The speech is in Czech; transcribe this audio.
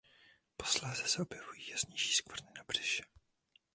Posléze se objevují jasnější skvrny na břiše.